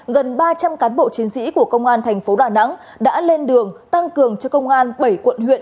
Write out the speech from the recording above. gần ba trăm linh cán bộ chiến sĩ của công an thành phố đà nẵng đã lên đường tăng cường cho công an bảy quận huyện